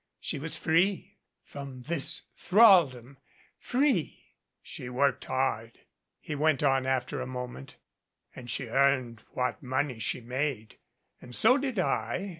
She was free from this thralldom free !" "She worked hard," he went on after a moment, "and she earned what money she made. And so did I.